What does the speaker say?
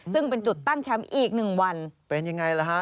ซึ่งเป็นจุดตั้งแคมป์อีกหนึ่งวันเป็นยังไงล่ะฮะ